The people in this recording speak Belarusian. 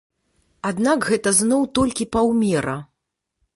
Аднак гэта зноў толькі паўмера.